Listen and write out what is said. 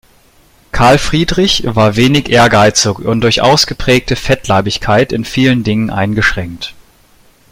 Karl Friedrich war wenig ehrgeizig und durch ausgeprägte Fettleibigkeit in vielen Dingen eingeschränkt.